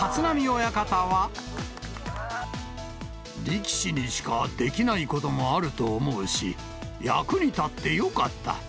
力士にしかできないこともあると思うし、役に立ってよかった。